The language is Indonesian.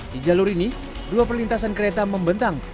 di jalur ini dua perlintasan kereta membentang